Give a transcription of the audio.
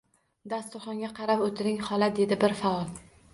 — Dasturxonga qarab o‘tiring, xola, — dedi bir faol.